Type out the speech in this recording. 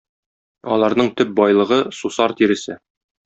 Аларның төп байлыгы - сусар тиресе.